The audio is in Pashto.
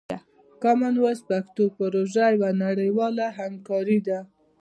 کامن وایس پښتو پروژه یوه نړیواله همکاري ده.